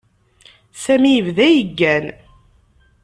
Sami yebda yeggan.